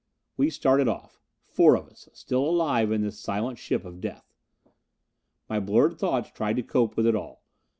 We started off. Four of us, still alive in this silent ship of death. My blurred thoughts tried to cope with it all.